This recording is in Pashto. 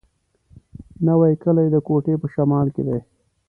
نوی کلی د کوټي په شمال کي دی.